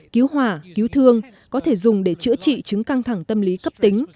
cứu hỏa cứu thương có thể dùng để chữa trị chứng căng thẳng tâm lý cấp tính